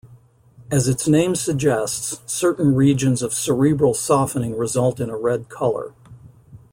As its name suggests, certain regions of cerebral softening result in a red color.